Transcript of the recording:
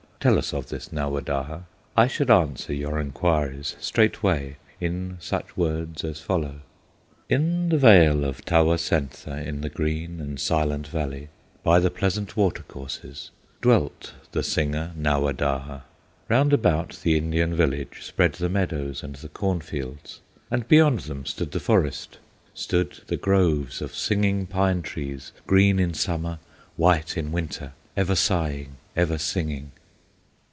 Tell us of this Nawadaha," I should answer your inquiries Straightway in such words as follow. "In the vale of Tawasentha, In the green and silent valley, By the pleasant water courses, Dwelt the singer Nawadaha. Round about the Indian village Spread the meadows and the corn fields, And beyond them stood the forest, Stood the groves of singing pine trees, Green in Summer, white in Winter, Ever sighing, ever singing.